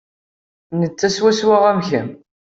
Netta swaswa am kemm.